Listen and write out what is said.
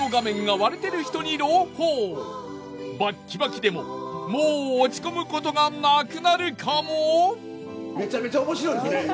バッキバキでももう落ち込むことがなくなるかも。